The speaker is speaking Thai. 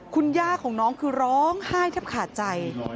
คุณย่าของน้องคือร้องไห้แทบขาดใจ